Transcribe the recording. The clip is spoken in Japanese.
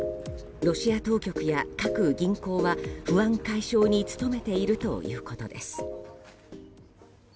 ロシア当局や各銀行は不安解消に努めているということです。